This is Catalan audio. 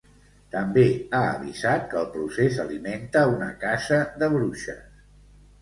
També ha avisat que el procés alimenta una caça de bruixes.